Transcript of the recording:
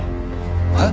えっ？